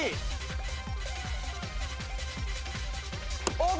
ＯＫ！